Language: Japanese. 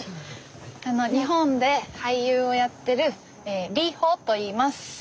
日本で俳優をやってる里帆といいます。